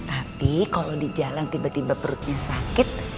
tapi kalau di jalan tiba tiba perutnya sakit